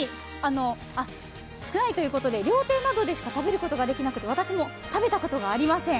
料亭などでしか食べることができなくて、私も食べたことがありません。